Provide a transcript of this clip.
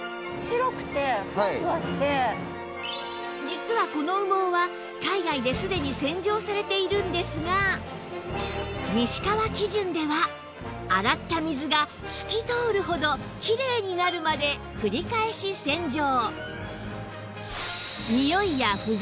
実はこの羽毛は海外ですでに洗浄されているんですが西川基準では洗った水が透きとおるほどきれいになるまで繰り返し洗浄